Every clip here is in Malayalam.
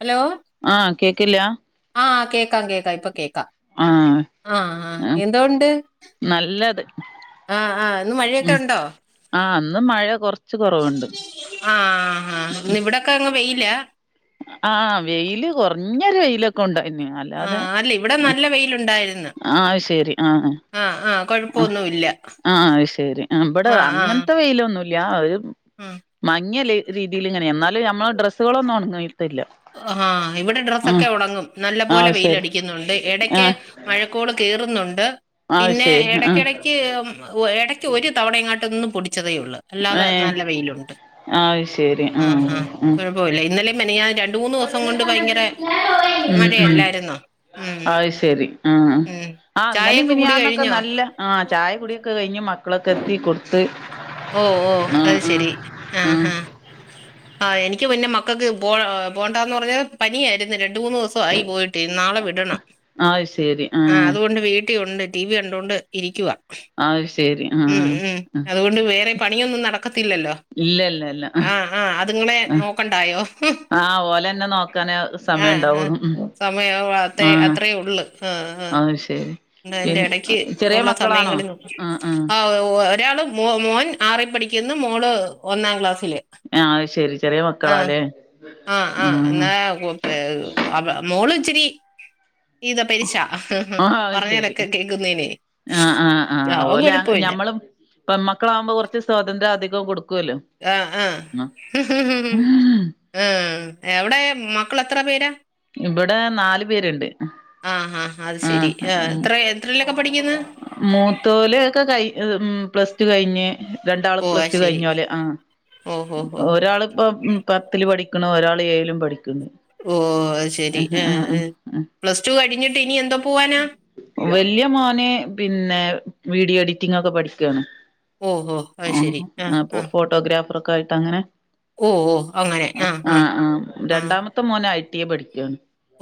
ഹലോ. ആഹ് കേക്ക്ല്ലാ? ആഹ് കേക്കാം കേക്കാം ഇപ്പോ കേക്കാം ആഹ് ആഹ് ആഹ് എന്തോണ്ട്? നല്ലത് ആഹ് ആഹ് ഇന്ന് മഴയൊക്കെ ഉണ്ടോ? ന്ന് മഴ കുറ. ആഹ് ആഹ് ന്ന് ഇവിടൊക്കെങ്ങ് വെയിലാ. ആഹ് വെയില് കുറഞ്ഞൊരു വെയിലൊക്കെണ്ടായിനി ആ അല്ലാതെ. അല്ല ഇവിടെ നല്ല വെയിലുണ്ടായിരുന്നു ആഹ് അത് ശെരി ആഹ്. ആ ആ ആഹ് കുഴപ്പമൊന്നുമില്ല ആഹ് അത് ശരി ആഹ് ഇബ്ടെ ആ ആ അങ്ങന് ത്തെ വെയിലൊന്നു. ല്ല്യ ഒരു ഉം. മങ്ങ്യ ലെ രീതിലിങ്ങനെ എന്നാലും ഞമ്മളെ ഡ്രസ്സുകളൊന്നും ഉണങ്ങ് ണ്. ആഹ് ഇവിടെ ഡ്രസ്സൊക്കെ ഉണങ്ങും നല്ല പോലെ അത് ശരി വെയിലടിക്കുന്നുണ്ട് ഇടക്ക് ആഹ് മഴക്കോൾ കെ. റുന്നുണ്ട് അത് പിന്നെ ശരി ആഹ് ഇടക്കിടക്ക് ഉം ഒ ഇടക്ക് ഒരു തവണ എങ്ങാട്ടൊന്ന് പൊടിച്ചതേ ഉള്ളൂ. ള്ള് അല്ലാതെ ഏഹ് നല്ല വെയിലുണ്ട് അത് ശരി ആഹ് ആഹ് ഉം കുഴപ്പല്ല്യ. ഇന്നലേം മിനിയാന്ന് ര. ഉം ഉ മഴയല്ലായിരുന്നോ ഉം അത് ശരി ആഹ്. ഉം ആഹ് ഇന്നലേം ചായയൊക്കെ കുടി മിനിയാന്നൊക്കെ കഴിഞ്ഞോ നല്ല ആഹ് ചായ കുടിയൊക്കെ കഴിഞ്ഞ് മക്കളൊക്കെ എത്തി കൊട്. ഓ ഓ അത് ശെരി ആ ആഹ് ഹ. ആ എനിക്ക് പിന്നെ മക്കൾക്ക് പോ പോണ്ടാന്ന് പറഞ്ഞ പനിയായിരുന്നു രണ്ട് മൂന്ന് ദിവസായി പോയിട്ട് ഞ് നാളെ വിടണം. ആഹ് ശരി ആഹ. കുട്ടി ഉണ്ട് ടി വി കണ്ടോണ്ട് ഇരിക്കുവ. ആഹ് ശ്. ഉം ഉം അതുകൊണ്ട് വേറെ പണിയൊന്നും നടക്കത്തില്ലല്ലോ. ഇല്ല ല്ല ല്ല അ ആഹ് ആഹ് അതുങ്ങളെ അ നോക്കണ്ടായോ ആഹ് ഓലെന്നെ നോക്കാനെ സമയം. ആഹ് ആഹ് ണ്ടാവുള്ളൂ ഉം. സമയം അത്രേ ആ അത്രേ ഒള്ള് മ്ഹ് മ്ഹ്. അത് ശരി ണ്ട് പി അയ്ന്റെടയ്ക്ക് ചെറിയ ഉള്ള മക്കളാണോ സമയങ്ങളിലും ആ ആ ആഹ് ഉവ. ട്ട്യാള് മോ മോൻ ആറി പഠിക്കുന്നു മോള് ഒന്നാം ക്ലാസ്. ആഹ് അത് ശരി ചെറിയ മക്കളാ ലെ. ആഹ് ആഹ് എന്നാ കു പെ ഏ അവ മോള്. ഇച്ചിരി ഇത പരിശ ഉം ഉം ആ അത് ശരി പറഞ്ഞാലൊക്കെ കേക്കുന്നെന്. ആഹ് ആഹ് ആ ഓലെ ഞമ്മള് പെൺ മക്കളാവുമ്പോ കുറച്ച് സ്വാതന്ത്ര്യം അധികം കൊടുക്കും. ആഹ് ആഹ് ഹും ഹും ഹും മ്ഹ് ആഹ്. എവ്ടെ മക്കളെത്ര പേരാ? ഇവ്ടെ നാല് പേര്ണ്ട്. ആഹ് ആഹ് അത് ശെരി ആഹ് ആഹ് ഉം എത്ര എത്രയിലൊക്കെ പഠിക്കുന്ന് മൂത്തോല് ക്കെ കൈ ഉം പ്ലസ്. ടു കയ്ഞ്ഞ് രണ്ടാളും ഓ പ്ലസ് അത് ടു ശരി കയ്ഞ്ഞോല് ആ ഓ ഓ ഓ ഒരാള് പ്പം മ് പത്തില്. പഠിക്ക്ണ് ഒരാൾ ഏഴ്ലും പഠിക്ക്ണ്. ഓ അത് ശരി ഏ ഏ ആഹ് പ്ലസ് ടു കഴിഞ്ഞിട്ട് ഇനി എന്തോ പോവാനാ? വല്യ മോന് പിന്നെ വീഡിയോ എഡിറ്റിംഗ് ഒക്കെ പഠിക്കാണ്. ഓ ഓ അത് ആഹ് ശരി ആ അപ്പോ ആ ഫോട്ടോഗ്രാഫറൊക്കെ ആയിട്ടങ്ങനെ. ഓ ഓ അങ്ങനെ ആ ആഹ് ആ ആഹ് ആ രണ്ടാമത്തെ മോന് ഐ ടി എ പഠിക്കാണ്.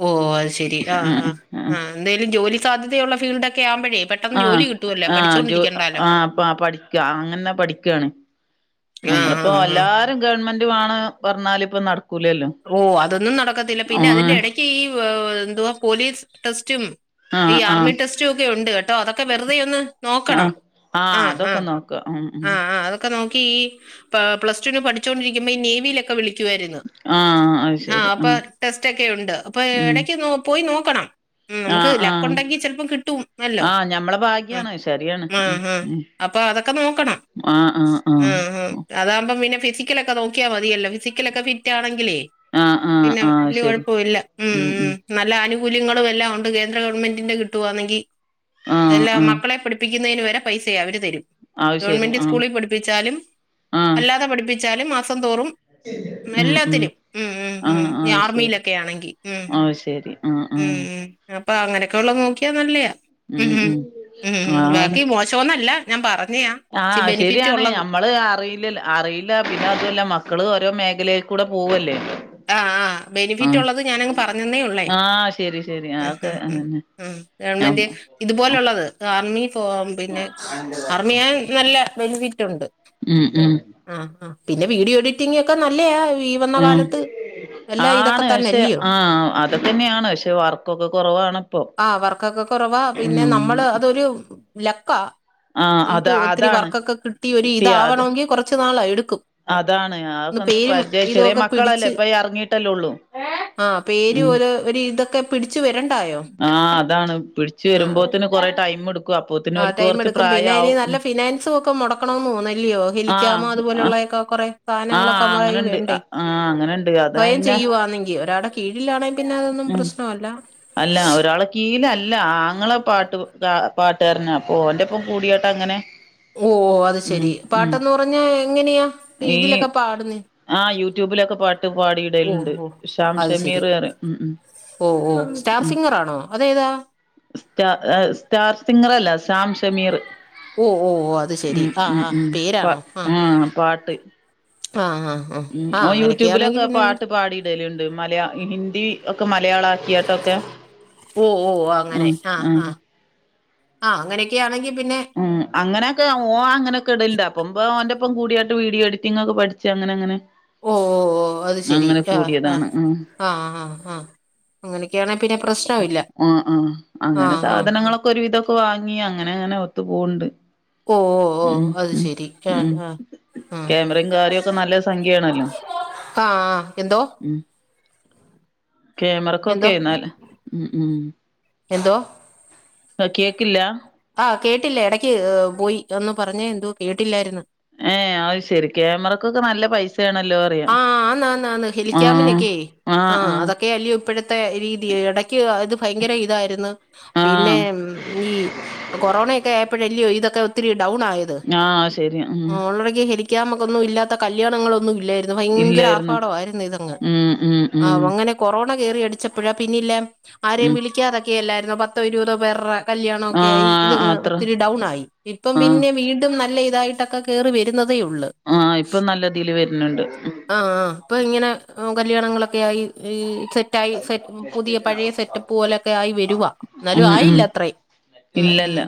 ഓ അത് ശരി ആഹ് ആഹ് ആഹ് ന്തേലും ജോലി സാധ്യതയുള്ള ഫീൽഡൊക്കെയാവുമ്പോഴെ പെ. ആഹ് ആഹ് ജോ ആഹ പ്പ പഠിക്ക അങ്ങനെ ന്നെ പഠിക്കാണ്. ആ ആ നമ്മള്പ്പോ ആ എല്ലാരും ഗവൺമെന്റ് മാണം പറഞ്ഞാല് പ്പം നട. ഓ അതൊന്നും നടക്കത്തില്ല പിന്നെ ആഹ് അതിന്റെടയ്ക്ക് ഈ എന്തുവാ പോലീസ് ടെസ്റ്റും. ആഹ് ഈ ആഹ് ആർമി ടെസ്റ്റും ഒക്കെ ഉണ്ട് കേട്ടോ അതൊക്കെ വെറുതെ ഒന്ന് നോക്കണം. ആഹ് ആ ആഹ് ആ അതൊക്കെ നോക്ക. ഉം ആ ഉം ആ അതൊക്കെ നോ ക്കി പ്ലസ് ടുന് പഠിച്ചോണ്ടിരിക്കുമ്പോ ഈ നേവിയിലൊക്കെ വിളിക്കുവായിരുന്ന്. ആഹ് അത് ആഹ് ശരി അപ്പോ ടെസ്റ്റ് ഒക്കെയുണ്ട് അപ്പോ ഉം എടക്ക് പോയി നോക്കണം. ഉം നമുക്ക് ആഹ് ലക്ക് ആഹ് ഉണ്ടെങ്കി ചെലപ്പം കിട്ടുംമല്ലോ ആഹ് ഞമ്മളെ ങാ ഭാഗ്യാണ് ശരിയാണ് മ്ഹാ ഉം ഹാ ഉം അപ്പൊ അതൊക്കെ നോക്കണം ആഹ് ആഹ് മ്മ് ഹ് അതാവുമ്പം പിന്നെ ഫി ഫിസിക്കലൊക്കെ നോക്കിയാൽ മതിയല്ലോ, ഫിസിക്കലൊക്കെ ഫിറ്റാണെങ്കിലെ ആഹ് ആഹ് ആഹ് പിന്നെ, ആഹ് ശരി വല്യകുഴപ്പംല്ല ഉം മ്മ് നല്ലാനു കൂല്യങ്ങള്ളെല്ലാമൊണ്ട്‌ കേന്ദ്രഗവണ്മെന്റിന്റെ കിട്ടുവാന്നെങ്കിൽ ആഹ് എല്ലാം ആഹ് മക്കളേ പഠിപ്പി ക്കുന്നേന് വരെ പൈസയ അവര് തരും. അത് ശരി ഗവൺമെന്റ് ആഹ് സ്കൂളിൽ പഠിപ്പിച്ചാലും, ആഹ് അല്ലാതെ പഠിപ്പിച്ചാലും മാസം തോറും ഉം ഉം എല്ലാത്തിനും ഉം ആ ഉം ആ ഈ ശരി ആർമിയിലൊക്കെ ആണെങ്കി ആ ശരി. ആഹ് ആഹ് ഉം ഉം അപ്പൊ അങ്ങനെയൊക്കെള്ളത് നോക്കിയ നല്ലയ. ഉം ഉം ഉം ഉ ആണ് ബാക്കി മോശോന്നല്ല, ഞാൻ പറഞ്ഞയാ ഇച്ചി ആഹ് ബെനിഫിറ്റ് ശരിയാണ് ഉള്ളത് അമ്മള് അറിയില്ല അറിയില്ല പിന്നെ അതൊല മക്കള് ഓ ഓരോ മേഖലേൽ കൂടെ പോവുല്ലേ. ആ ആ ബെനിഫിറ്റ് ഉള്ളത് ഞാനങ്ങ് പറഞ്ഞന്നേ ഉള്ളേ. ആഹ് ശരി ശരി ഹ് ഹ് അതൊക്കെ ഹ് അതന്നെ ങ് ഞം ഗവൺമെന്റ് ഇതുപോലുള്ളത് ആർമി പോവാം പിന്നെ അർമ്മിയാൽ നല്ല ബെനിഫിറ്റ് ഉണ്ട്. ഉം ഉം. ആഹ് ആഹ് പിന്നെ വീഡിയോ എഡിറ്റിംങൊക്കെ നല്ലയാ ഈ വന്ന ആഹ് കാലത്ത്, എല്ലാം ഇതൊക്കെ ആണ് പക്ഷെ തന്നെല്ലയോ ആഹ് അതൊക്കെന്നെയാണ് പക്ഷെ വർക്കൊക്കെ കൊറവാണിപ്പൊ. കൊറവാ, പിന്നെ നമ്മള് അതൊരു ലക്കാ. ആഹ് അത നമുക്ക് ഒത്തിരി അതാണ് വർക്കൊക്കെ കിട്ടി ഒരു കിട്ടിയ അത് ഇതാവണെങ്കിൽ കുറച്ചു നാള് എടുക്കും. അതാണ് ഒന്ന് അതൊക്കെ പേരും പരിചയ ചെറിയ ഇതൊക്കെ മക്കളല്ലേ പിടിച്ച് ഇപ്പ ഇറങ്ങിയിട്ടല്ലേ ഉള്ളൂ ആഹ് പേര് ഉം ഓരോ ഒരു ഇതൊക്കെ പിടിച്ചു വരണ്ടായോ ആഹ് അതാണ് പിടിച്ചു ആ വരുമ്പോത്തിന് കൊറെ ടൈം എടു ആ ടൈം എടുക്കും പിന്നെ അയ്ന് നല്ല ഫിനാൻസും ഒക്കെ മുടക്കണോന്നോന്നല്ലിയോ ആഹ് ഹെലിക്കാമോ ആഹ് അതുപോലെയുള്ളയൊക്കെ കൊറെ. സാനങ്ങളൊക്കെ ആഹ് മളയിൽ അങ്ങനെണ്ട് വേണ്ടേ ആഹ് അങ്ങനെണ്ട് അതാ സ്വയം പിന്നെ ചെയ്യുവാന്നെങ്കിൽ ഒര ഒരാടെ കീഴിലാണെങ്കി പിന്നെ അതൊന്നും ഉം പ്രശ്നവല്ല. അല്ല, ഒരാള കീയിലഅല്ല ആങ്ങളെ പാട്ട് ക പാ ട്ടാരനാ അപ്പൊ ഓന്റെപ്പം കൂടിയാട്ടങ്ങനെ. ഓ അത് ശെരി പാട്ടന്ന്പറഞ്ഞാ എങ്ങനെയാ? ഇതിലൊക്കെ പാടുന്ന ആ യൂട്യൂബിലൊക്കെ പാട്ട് പാടീടലുണ്ട് ഓ അത് ശരി ഷാംഷമീർ പറയും മ് മ് ഓ ഓ സ്റ്റാർ സിംഗറാണോ അതേതാ? സ്റ്റാ സ്റ്റാർ സിംഗറല്ല ഷാംഷമീറ് ഓ ഓ ഓ അത് ശരി ഉം ആ ഉം ആ ഉം പ പേരാണോ ആ ആഹ് പാട്ട്. ആ ആ ആ ഉം ആ ഓൻ അങ്ങനെയൊക്കെയാണെങ്കിൽ യൂട്യൂബിലൊക്കെ പിന്നെ അങ്ങ് പാട്ട് പാടിടലു മലയാ ഹിന്ദി ഒക്കെ മലയാളാക്കിയാട്ടൊക്കെ. ഓ ഓ അങ്ങനെ ആഹ് ആ ആ അങ്ങനെയൊക്കെന്നെങ്കി ഉം അങ്ങനെയൊക്കെ ഓൻ അങ്ങനെക്കെ ഇടലണ്ട് അപ്പൊ ഇവൻ ഒന്റൊ പ്പം കൂടിയാട്ട് വിഡിയോ എഡിറ്റിങൊക്കെ പഠിച്ച് അങ്ങനങ്ങനെ. ഓ ഓ ഓ അത് ശെരി ആഹ് കൂടിയതാണ് ആഹ് ഉം ആഹ് ആഹ് ആഹ്. അങ്ങനൊക്കെയാണെ പിന്നെപ്രശ് ആ ആ അങ്ങനെ ആ സാധനങ്ങളൊക്കെ ഒരുവിദൊക്കെ വാങ്ങി അങ്ങനെ അങ്ങനെ ഒത്തു പോണുണ്ട്. ഓ ഓ ഓ അത് ശെരി ആഹ് ആഹ്. ക്യാമറയും കാര്യോക്കെ നല്ല സംഖ്യയാണല്ലോ. ആഹ് ആഹ് എന്തോ? ഉം എന്തോ ക്യാമറക്കൊക്കെ നല്ല ഉം ഉം എന്തോ ആ കേക്കില്ല. ആ കേട്ടില്ല. ഇടക്ക് ഏ പോയി ഒന്ന് പറഞ്ഞേ എന്തോ കേട്ടില്ലാരുന്ന. ഏ അത് ശെരി ക്യാമറെക്കൊക്കെ നല്ല പൈസ അറിയാ ആ ആന്ന് ആന്ന് ആന്ന് ഹെലിക്കാമിനൊക്കെ ആഹ് അതൊക്കെയല്ലയോയിപ്പഴത്തെ രീതി. എടക്ക് അത് ഭയങ്കര ഇതാരുന്നു പിന്നെ ആഹ് ഈ കൊറോണക്കെ ആയപ്പഴല്ലയോയിതൊക്കെ ഡൗൺ ആയെത്. ആഹ് ശരിയാ ഉം ഓളെടെക്ക് ഹെലിക്കാമൊന്നുമില്ലാത്ത കല്യാണങ്ങളൊന്നു ഇല്ലാരുന്ന്. ത് ഭയങ്കര ഇല്ലായിരുന്നു ആർഭാടവാരുന്നു ഇതങ്ങ്. ഉം ഉം ഉം ആഹ് അങ്ങനെ കൊറോണ കേറിയടിച്ചപ്പോഴാ പിന്നില്ലേ ആരെയും ഉം വിളിക്കാതെക്കെയല്ലായിരുന്ന പത്തോ ഇരുപതോ പേർടെ കല്യാണൊക്കെയായി ആഹ് ഇതങ്ങ് അത്ര ഒത്തിരി ഡൗൺ ആയി. ഇപ്പം ആഹ് പിന്നെ വീണ്ടും നല്ലെയി ഇതായിട്ടെക്കെ കേറി വെരു ആഹ് ഇപ്പൊ നല്ലതീല് വെരുന്നൊണ്ട്. ആഹ് ആഹ് ഇപ്പയിങ്ങെനെ കല്യാണങ്ങളൊക്കെയായി. ഇ സെറ്റായി. സെ പുതിയ പഴയ സെറ്റപ്പ് പോലെക്കെയായി വെരുവാ. എന്നാലും ഉം ഉം ആയില്ലത്രേം. ഉം ഉം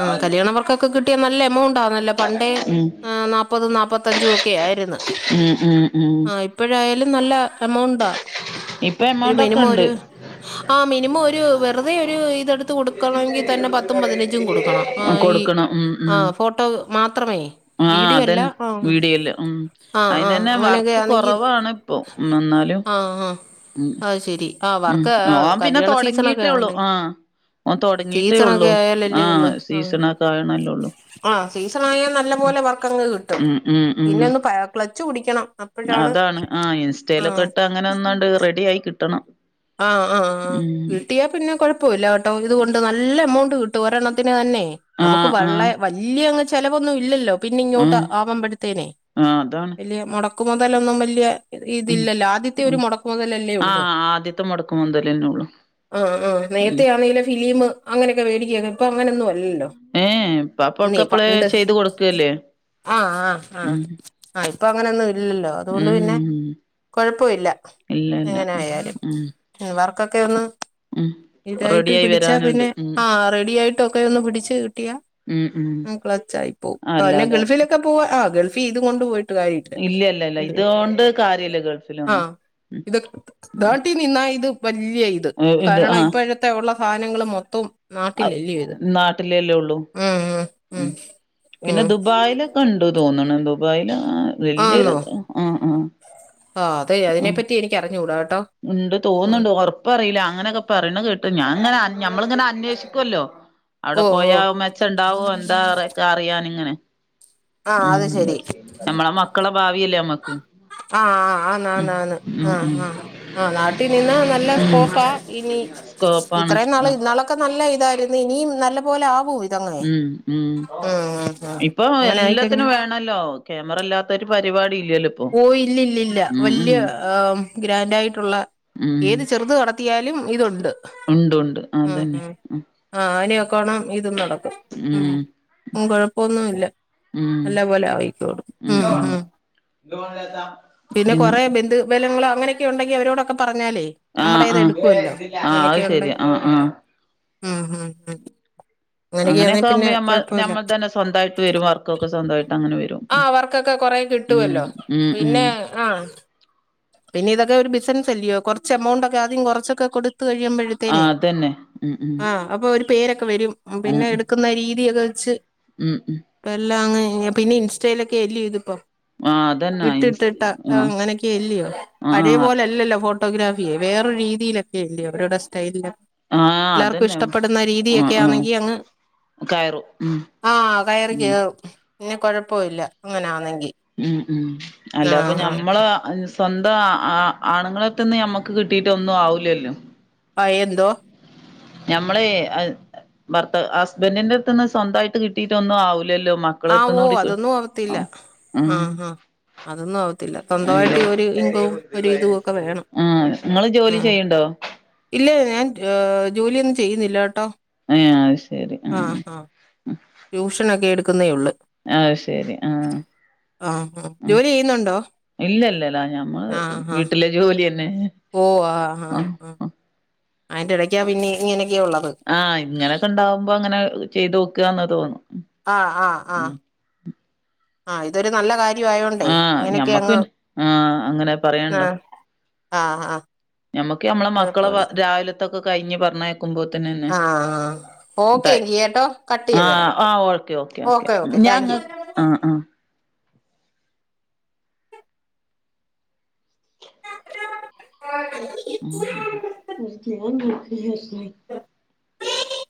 ങ് കല്യാണവർക്കെക്കെ കി ട്ടിയ നല്ല എമൗണ്ടാന്നല്ലോ. പണ്ടേ ഉം നാപ്പതും നാപ്പത്തഞ്ചുക്കെയാരുന്ന. ഉം ഉം ഉം തിലും നല്ല എമൗ ണ്ട. ഇപ്പൊ ഒര് എമൗണ്ട് ഒക്കെ ഉണ്ട് മിനിമമൊരു ആ മിനിമമൊരു വെറുതെയൊരിതെ ടുത്ത് കൊടുക്കണമെങ്കിത്തന്നെ പത്തും പതിനെഞ്ചും കൊടുക്കണം. ആഹ് ഈ കൊടുക്കണം ഉം ആ ഉം ഫോട്ടോ മാത്രമേ ആഹ് വീഡിയോ അല്ല അതന്നെ ആഹ് വീഡിയോല് ഉം ആഹ് ആഹ് അയിനന്നെ അങ്ങനെയൊക്കെ വർക്ക് ആണെങ്കിൽ കൊറവാണിപ്പൊ എന്നെന്നാലും. ആയിശേരി ഉം ഓൻ പിന്നെ തുടങ്ങിട്ടേള്ളൂ ആവണ്ടേ ആ ആ സീസണൊക്കെ തൊടങ്ങിട്ടേള്ളൂ. ആയാലല്ലേ ആഹ് ഉള്ളൂ സീസണൊക്കെയാകണെല്ലേള്ളൂ. ആഹ് സീസണായാൽ നല്ല പോലെ വർക്കങ്ങ് കിട്ടും. ഉം ഉം ഉം പിന്നെ ഒന്ന് പ ക്ളെച്ച് പിടിക്കണം. അപ്പോഴാണ് അതാണ് ആഹ് ആഹ് ഇൻസ്റ്റയിലൊക്കെട്ട് അങ്ങനെ നിന്നോണ്ട് റെഡിയായി കിട്ടണം. ആഹ് ആഹ് ആഹ് ഉം കിട്ടിയാ പിന്നെ കൊഴപ്പമില്ല കേട്ടോ ഇതുകൊണ്ട് നല്ല എമൗ ണ്ട് കിട്ടും. ഒരെണ്ണത്തിന് തന്നെ നമ്മുക്ക് ആഹ് വള ആഹ് വല്യയങ്ങ് ചെലവൊന്നുയില്ലല്ലോ. പിന്നയിങ്ങോട്ട് ആഹ് ആവമ്പെടുത്തേനെ ആഹ് അതാണ് വെല്യേ മെടക്ക് മൊതലൊന്നും വെല്യേ. ഉം ഇതില്ലല്ലോ. ആദ്യത്തെ ഒര് ഉം മെടക്ക് മൊതലല്ലേയൊള്ളൂ. ആഹ് ആദ്യത്തെ മൊടക്ക് മുതലന്നെ ഒള്ളു ആഹ് ആഹ് ഉം നേരത്തെയാണെലേ ഫിലിമ് അങ്ങനെയെക്കെ മേടിക്കാരുന്നു. ഇപ്പൊ അങ്ങനൊന്നുല്ലല്ലോ. ലോ. ഏഹ് ഇപ്പാപ്പ നീ ഓൾക്ക് അപ്പളേ പണ്ട് ചെയ്ത് കൊടുക്കല്ലേ ആഹ് ആഹ് ആഹ് ഉം ആയി ഇപ്പയങ്ങനൊന്നുയില്ലല്ലോ. അതുകൊണ്ട് പിന്നെ ഉം കൊഴപ്പയില്ല. ഇല്ല ഇല്ല എങ്ങനെയായലും. ഉം വർക്കൊക്കെ ഒന്ന് ഉം ഇതായിട്ട് റെഡി ആയി പിടിച്ചാ വരാനുണ്ട് പിന്നെ ഉം ആ റെഡി ആയി ട്ടൊക്കെയൊന്ന് പിടിച്ച് കിട്ടിയാ ഉം ഉം ക്ളെച്ചായി പോം. പിന്നെ അല്ലാതെ ഗൾഫിലൊക്കെ പോ ആ ഗൾഫ ഇതുകൊണ്ട് പോ ട്ടുവായിലല്ലോ. ഇല്ല ഇല്ല ഇല്ല ഇല്ലയോ? ഇതോണ്ട് കാര്യല്ല ഗൾഫിലൊന്നും ആഹ് ഇതൊ ഇതാണ് എന്നായിത് വെല്യയിത് ഉം ഇത് കാരണം ആഹ് ഇപ്പഴത്തെയൊള്ള സാധനങ്ങള് മൊത്തോം നാട്ടിലല്യേയിത്. നാട്ടിലല്ലേ ഉള്ളൂ ഉം ഉം ഉം പിന്നെ ഉം ദുബായില് ഇണ്ടു തോന്നണ്. ദുബായില് ആ വല്യൊരു ആഹ് ആഹ് ആഹ് അതെ ആഹ് അതിനെപ്പറ്റി എനിക്കറിഞ്ഞൂടാ കോ ഉണ്ട് തോന്നുണ്ട്. ഉറപ്പയറിയില്ല അങ്ങനെക്കെ പറയണ കേട്ട് ഞാനെങ്ങനെ അൻ നമ്മളിങ്ങനെ അന്വേഷിക്കുവല്ലോ. അവടെ ഓ ഓ പോയാ മെച്ചണ്ടാവോ എന്തോയവെരെയെക്കെറിയാനിങ്ങനെ. ആ ഉം അത് ശരി നമ്മളെ മക്കളെ ഭാവിയല്ലേ നമ്മക്ക്. ആഹ് ആഹ് ആന്ന് ഉം ആന്ന് ആന്ന് ഉം ഉം ആഹ് ആഹ് ആഹ് നാട്ടി നിന്നാ നല്ല ഉം സ്കോപ്പായിനി സ്കോപ്പാണ് ഇത്രേയും നാള് ഇന്നാളെക്കെ നല്ലിതാരുന്നു. ഇനിയും നല്ല പോലെയാവുവോയി ഉം ഉം ഉം ഇപ്പൊ അങ്ങനെ എല്ലാത്തിനും ആയിക്കഴിഞ്ഞാ വേണോല്ലോ ക്യാമറില്ലാത്തൊരു ഓ ഇല്ലില്ലില്ല. ഉം വെല്യ ഉം ഗ്രാൻഡായിട്ടുള്ള ഉം ഏത് ചെറുത് നടത്തിയാലും ഇതൊണ്ട്. ഉണ്ട് ഉണ്ട് അതന്നെ ആഹ് ആഹ് ഉം ആ അയ കാണം ഇതും നടക്കും ഉം ഉം കൊഴപ്പൊന്നൂല്ല ഉം നല്ല പോലെ ആവിക്കിടും ഉം ഉം പിന്നെ കൊറേ ബിന്ദ് വെല ങ്ങളോ അങ്ങനൊക്കെ ഉണ്ടെങ്കി അവരോടൊക്കെ പറ ഞ്ഞാലേ ആഹ് നമ്മുടേത് ആഹ് എടുക്കുവല്ലോ ആഹ് അത് അങ്ങനെയൊക്കെയുണ്ടേ ശരി ആഹ് എടുക്കാ. ആഹ് ഉം ഉം ഉം അങ്ങനെയൊക്കെയാണെ അങ്ങനെയൊക്കെ പിന്നെ ആവുമ്പോ ഞമ്മ കൊഴപ്പവില്ല ഞമ്മളതന്നെ സ്വന്തായിട്ട് വരും വർക്കൊക്കെ സ്വന്തായിട്ട് അങ്ങനെ വരും. ആ വർക്കൊക്കെ കൊറേ ഉം കിട്ടുവല്ലോ ഉം ഉം പിന്നെ ആഹ് പിന്നെ ഇതൊക്കെ ഒരു ബിസിനസ് അല്ലയോ കുറച്ച് എമൗണ്ട് ഒക്കെ ആദ്യം കുറച്ചൊക്കെ കൊടു ത്ത് കഴിയുമ്പഴത്തേനെ ആഹ് അതന്നെ ഉം ഉം ആ അപ്പൊഒരു പേരൊക്കെ വരും ഉം പിന്നെ എടുക്കുന്ന രീതിയൊക്കെ വെച്ച് ഉം ഉം ഇപ്പൊ എല്ലാംങ്ങ് പിന്നെ ഇൻസ്റ്റയിലൊക്കെ എല്ല്യോ ഇതിപ്പോ ആഹ് അതന്നെ ഇൻസ്റ്റ ഇട്ടിട്ടിട്ട് ആഹ് അങ്ങനെയൊക്കെഅ ല്ല്യോ ആഹ് പഴയപോലെയ ല്ലല്ലോ ഫോട്ടോഗ്രാഫിയെ വേറൊരു രീതിയിലൊക്കെ എല്ല്യോ അവരുടെ സ്റ്റൈലില് ആഹ് എല്ലാവർക്കും അതന്നെ ഇഷ്ടപ്പെടുന്ന ആഹ് രീതിയൊക്കെ ആഹ് ആണെങ്കി അങ്ങ് കയറും ഉം ആഹ് കയറി ഉം കേറും പിന്നെ കുഴപ്പോംല്ല അങ്ങനാന്നെ ഉം ഉം അല്ലാപ്പൊ ഞമ്മള് അനുസ് സ്വന്തം ആ ആ ആ ആണുങ്ങളെട്ത്തന്ന് ഞമ്മക്ക് കിട്ടീട്ട് ഒന്നും ആവൂലല്ലോ പയേന്തോ ഞമ്മളെ അഹ് ഭർത്ത ഹസ്ബൻഡിന്റെ അടുത്ത്ന്ന് സ്വന്തമായിട്ട് കിട്ടീട്ടൊന്നും ആവൂ ലല്ലോ ആഹ് ഓ മക്കളട്ത്തുന്നുങ്കൂടി കി അതൊന്നും ആവത്തില്ല ആഹ് ഉം ആഹ് ആഹ് അതൊന്നും ആവത്തില്ല സ്വന്തമായിട്ട് ഒരു ഇൻകവും ഒരു ഇതും ഒക്കെ വേണം ആ നിങ്ങള് ജോലി ആഹ് ചെയ്യണ്ടോ? ഒ ഇല്ല ഞാൻ ഏ ജോലിയൊന്നും ചെയ്യുന്നില്ല ട്ടോ. ഏ അത് ശരി ആഹ് ആഹ് ട്യൂഷനൊക്കെ എടുക്കു ന്നേഒള്ള് അത് ശരി ആഹ് ആഹ് ആഹ് ഉം ജോലി ചെയ്യുന്നുണ്ടോ ഇല്ലല്ലല്ല അത് ഞമ്മള് ആഹ് ആഹ് വീട്ടിലെ ജോലിയ ല്ലെ ആഹ് ആഹ് അതിന്റെ ഇടയ്ക്കാ പിന്നെ ഇങ്ങനെയൊക്കെയ ഉള്ളത് ആഹ് ഇങ്ങനെയൊക്കെ ണ്ടാവുമ്പോ ങ്ങനെ ചെയ്ത് നോക്കാന്ന് തോന്നും. ആ ആ ആ ഉം ആ ഇതൊരു നല്ല കാര്യ ആഹ് ഞമ്മക്ക് പിന്നെ ആഹ് അങ്ങനെ പറയാണ്ടോ ആഹ് ആഹ് ആഹ് ഞമ്മക്ക് ഞമ്മളെ മക്കളെ കുഴപ്പമില്ല രാവിലത്തൊക്കെ കയിഞ്ഞ് പറഞ്ഞയക്ക ക്കുമ്പോത്തിന്നന്നെ ആഹ് ആഹ് ഓക്കെ ട്ടായി എങ്കി കേട്ടോ കട്ട് ചെയ്ത് തരാം ആഹ് ആഹ് ഓക്കെ ഓക്കെ ഓക്കെ ഞാങ്ങ ആ ആ യു ഉം ഉം